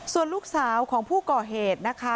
ส่วนลูกสาวของผู้ก่อเหตุนะคะ